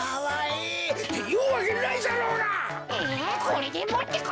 えこれでもってか。